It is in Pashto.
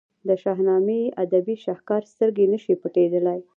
د شاهنامې ادبي شهکار سترګې نه شي پټېدلای.